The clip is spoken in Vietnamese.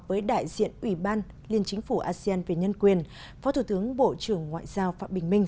với đại diện ủy ban liên chính phủ asean về nhân quyền phó thủ tướng bộ trưởng ngoại giao phạm bình minh